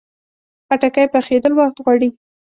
خټکی پخېدل وخت غواړي.